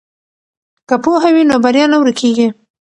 که پوهه وي نو بریا نه ورکیږي.